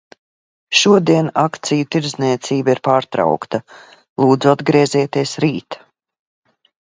Šodien akciju tirdzniecība ir pārtraukta. Lūdzu, atgriezieties rīt.